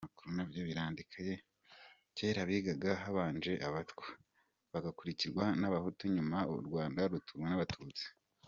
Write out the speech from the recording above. Kera bigaga ko habanje Abatwa, bagakurikirwa n’Abahutu nyuma u Rwanda ruturwa n’Abatutsi.